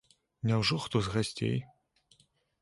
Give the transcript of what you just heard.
Няўжо хто з гасцей?